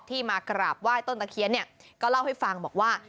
มากราบไหว้ต้นตะเคียนเนี่ยก็เล่าให้ฟังบอกว่า